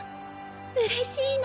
うれしいな。